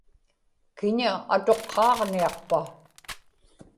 kiña atuqqaaġniaqpa